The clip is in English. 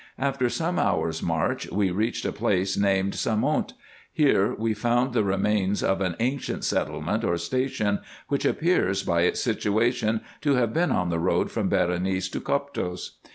After some hours' march we reached a place named Samount ; here we found the remains of an ancient settlement or station, winch appears, by its situation, to have been on the road from Berenice to Coptos.